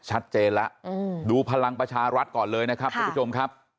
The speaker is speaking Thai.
ชัดเจนแล้วดูพลังประชารัฐก่อนเลยนะครับทุกผู้ชมครับ